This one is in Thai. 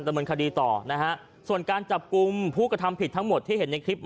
ดำเนินคดีต่อนะฮะส่วนการจับกลุ่มผู้กระทำผิดทั้งหมดที่เห็นในคลิป